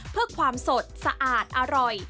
เพื่อความสดสะอาดอร่อย